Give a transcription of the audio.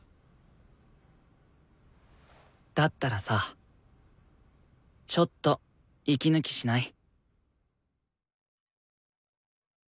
だったらさちょっと息抜きしない？